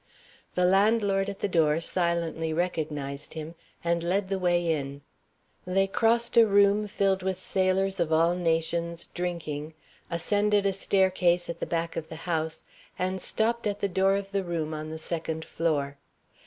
The landlord at the door silently recognized him, and led the way in. They crossed a room filled with sailors of all nations drinking; ascended a staircase at the back of the house, and stopped at the door of the room on the second floor.